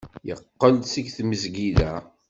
Yeqqel-d seg tmesgida.